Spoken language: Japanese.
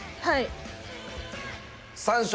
はい。